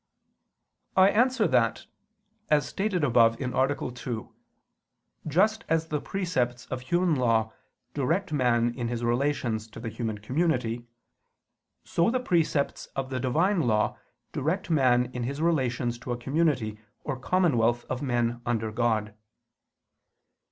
I answer that, As stated above (A. 2), just as the precepts of human law direct man in his relations to the human community, so the precepts of the Divine law direct man in his relations to a community or commonwealth of men under God.